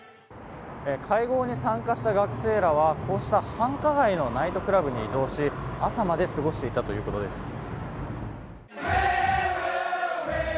会合に参加した学生らは、こうした繁華街のナイトクラブに移動し朝まで過ごしていたということです。